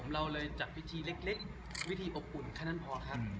เราจัดวิธีเล็กวิธีอบอุ่นขั้นนั้นพอครับ